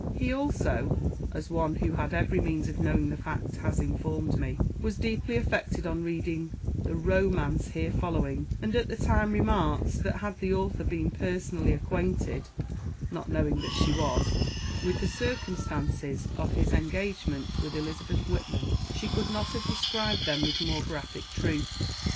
He also as one who had every means of knowing the fact has informed me was deeply affected on reading the "romance" here following, and at the time remarked that, had the author been personally acquainted (not knowing that she was) with the circumstances of his engagement with Elizabeth Whitman, she could not have described them with more graphic truth.